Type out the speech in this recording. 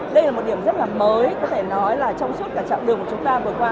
đây là một điểm rất là mới có thể nói là trong suốt cả chặng đường của chúng ta vừa qua